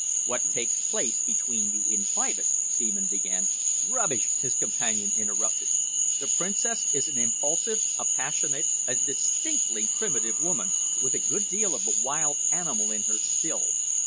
"What takes place between you in private," Seaman began "Rubbish!" his companion interrupted. "The Princess is an impulsive, a passionate, a distinctly primitive woman, with a good deal of the wild animal in her still.